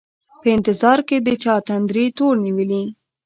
په انتظار کي د چا دتندري تور نیولي